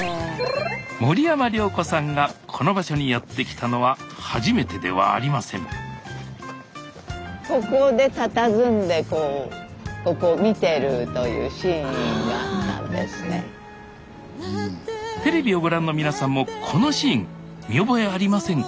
森山良子さんがこの場所にやって来たのは初めてではありませんテレビをご覧の皆さんもこのシーン見覚えありませんか？